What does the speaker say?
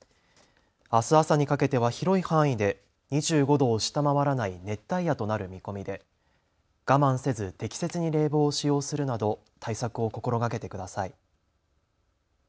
あす朝にかけては広い範囲で２５度を下回らない熱帯夜となる見込みで我慢せず適切に冷房を使用するなど対策を心がけてください。